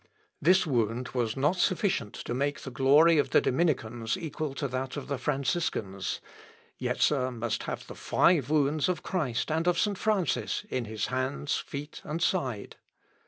This wound was not sufficient to make the glory of the Dominicans equal to that of the Franciscans. Jetzer must have the five wounds of Christ and of St. Francis in his hands, feet, and side.